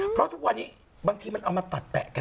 เพราะทุกวันนี้บางทีมันเอามาตัดแปะกัน